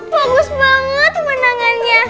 bagus banget menangannya